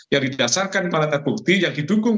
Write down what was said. yang didasarkan alat bukti yang didukung